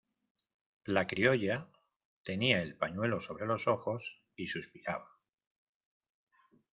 la criolla tenía el pañuelo sobre los ojos y suspiraba.